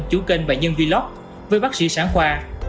chủ kênh và nhân vlog với bác sĩ sáng khoa